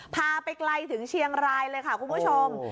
พาไปไกลถึงเชียงรายเลยค่ะคุณผู้ชม